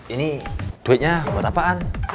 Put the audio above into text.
ini duitnya buat apaan